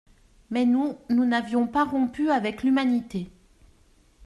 Mais nous, nous n'avions pas rompu avec l'humanité.